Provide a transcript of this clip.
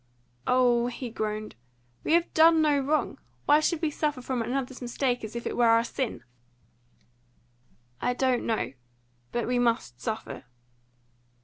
"Oh!" he groaned. "We have done no wrong. Why should we suffer from another's mistake as if it were our sin?" "I don't know. But we must suffer."